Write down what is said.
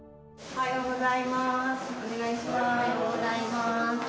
おはようございます。